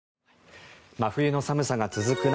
真冬の寒さが続く中